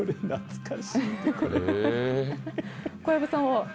小籔さんは？